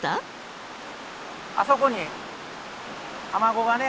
あそこにアマゴがね